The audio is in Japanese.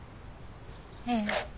ええ。